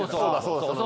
そうそう。